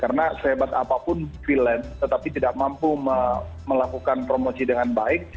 karena sehebat apapun freelance tetapi tidak mampu melakukan promosi dengan baik